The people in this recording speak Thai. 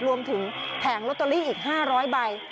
รวมถึงแผงโรตเตอรี่อีก๕๐๐ใบ